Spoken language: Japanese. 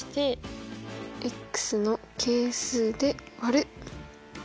の係数で割る。